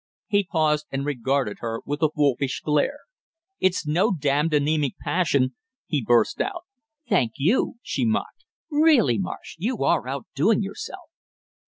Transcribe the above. He paused and regarded her with a wolfish glare. "It's no damned anemic passion!" he burst out. "Thank you," she mocked. "Really, Marsh, you are outdoing yourself!"